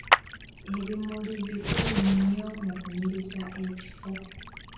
Ebimuli bikulu nnyo mu kunyiriza ekifo.